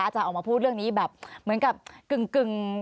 อาจารย์ออกมาพูดเรื่องนี้แบบเหมือนกับกึ่ง